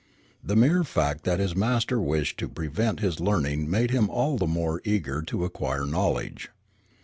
The mere fact that his master wished to prevent his learning made him all the more eager to acquire knowledge.